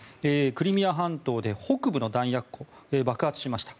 クリミア半島で北部の弾薬庫が爆発しました。